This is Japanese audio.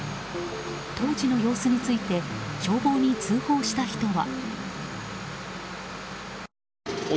当時の様子について消防に通報した人は。